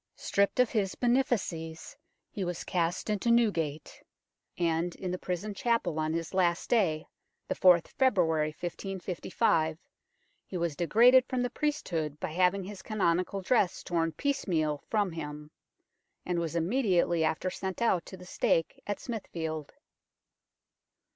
Stripped of his benefices, he was cast into Newgate ; and in the prison chapel on his last day, the 4th February 1555, he was degraded from the priesthood by having his canonical dress torn piece meal from him, and was immediately after sent out to the stake at Smithfield.